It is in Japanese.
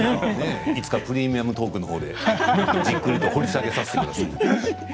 いつか「プレミアムトーク」のほうでじっくりと掘り下げさせていただきたいです。